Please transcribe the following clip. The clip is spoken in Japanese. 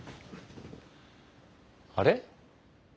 あれ？